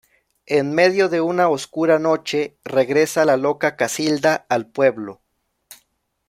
En medio de una oscura noche, regresa la loca Casilda al pueblo.